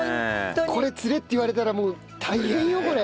これ釣れって言われたらもう大変よこれ。